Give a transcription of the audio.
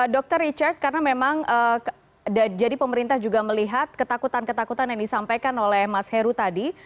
dr richard karena memang jadi pemerintah juga melihat ketakutan ketakutan yang disampaikan oleh mas heru tadi